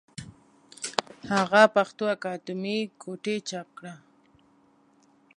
هغه پښتو اکادمي کوټې چاپ کړه